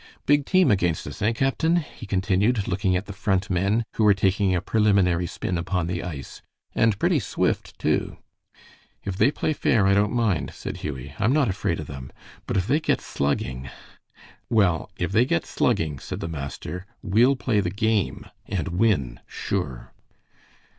Big team against us, eh, captain?" he continued, looking at the Front men, who were taking a preliminary spin upon the ice, "and pretty swift, too." "If they play fair, I don't mind," said Hughie. "I'm not afraid of them; but if they get slugging " "Well, if they get slugging," said the master, "we'll play the game and win, sure."